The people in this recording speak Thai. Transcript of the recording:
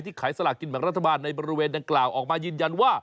ขายสลากกินแบ่งรัฐบาลในบริเวณดังกล่าวออกมายืนยันว่า